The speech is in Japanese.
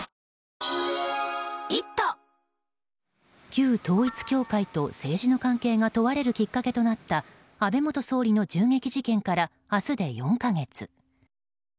旧統一教会と政治の関係が問われるきっかけとなった安倍元総理の銃撃事件から明日で４か月。